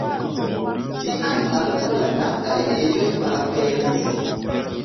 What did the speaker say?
Tiam ankaŭ la flankaj ejoj malaperis.